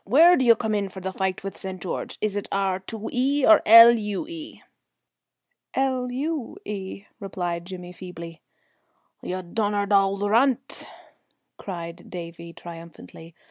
Where d'ye come in for the fight with St. George is it R 2 E or L U E?" "L U E," replied Jimmy feebly. "Ye donnered auld runt!" cried Davie triumphantly.